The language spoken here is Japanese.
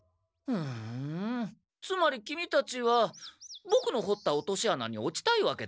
ふんつまりキミたちはボクのほった落とし穴に落ちたいわけだね？